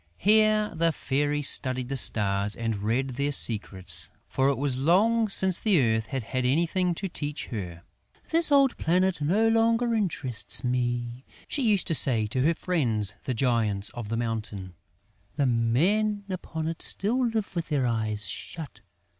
Here the Fairy studied the stars and read their secrets, for it was long since the Earth had had anything to teach her. "This old planet no longer interests me!" she used to say to her friends, the giants of the mountain. "The men upon it still live with their eyes shut!